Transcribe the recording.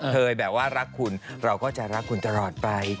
แบบว่ารักคุณเราก็จะรักคุณตลอดไป